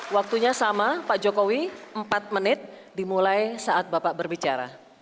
waktunya sama pak jokowi empat menit dimulai saat bapak berbicara